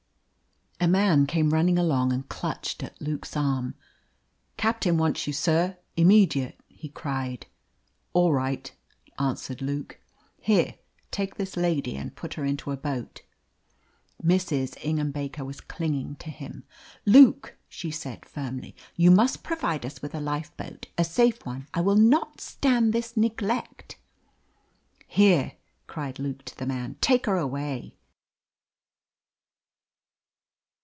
A man came running along and clutched at Luke's arm. "Captain wants you, sir, immediate!" he cried. "All right," answered Luke. "Here, take this lady and put her into a boat." Mrs. Ingham Baker was clinging to him. "Luke," she said firmly, "you must provide us with a lifeboat a safe one. I will not stand this neglect." "Here!" cried Luke to the man. "Take her away."